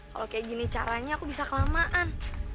kalau kayak gini caranya aku bisa kelamaan